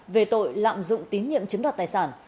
về tội lạm dụng tín nhiệm chứng đạt tài sản